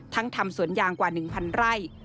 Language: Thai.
ทั้งทำสวนยางกว่าหนึ่งพันไร่